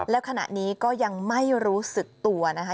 แล้วขณะนี้ก็ยังไม่รู้สึกตัวนะคะ